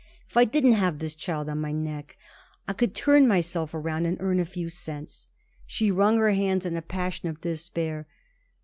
If I didn't have this child on my neck, I could turn myself around and earn a few cents." She wrung her hands in a passion of despair.